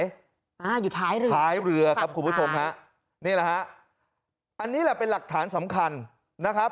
อยู่ท้ายเรือท้ายเรือครับคุณผู้ชมฮะนี่แหละฮะอันนี้แหละเป็นหลักฐานสำคัญนะครับ